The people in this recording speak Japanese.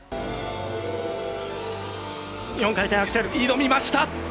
４回転アクセル、挑みました！